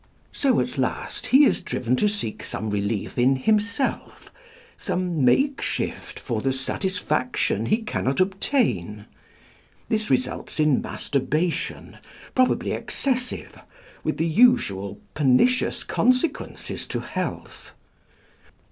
So at last he is driven to seek some relief in himself, some makeshift for the satisfaction he cannot obtain. This results in masturbation, probably excessive, with its usual pernicious consequences to health.